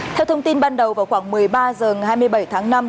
theo thông tin ban đầu vào khoảng một mươi ba h ngày hai mươi bảy tháng năm